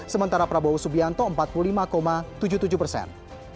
sementara prabowo subianto empat puluh lima tujuh puluh tujuh persen